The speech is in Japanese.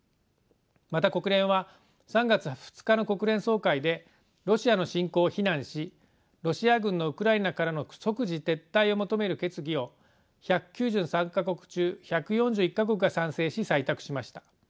また国連は３月２日の国連総会でロシアの侵攻を非難しロシア軍のウクライナからの即時撤退を求める決議を１９３か国中１４１か国が賛成し採択しました。